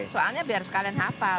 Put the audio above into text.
soalnya biar sekalian hafal